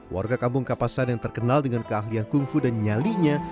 warga kampung kapasan yang terkenal dengan keahlian kungfu dan nyalinya